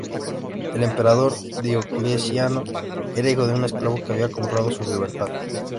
El emperador Diocleciano era hijo de un esclavo que había comprado su libertad.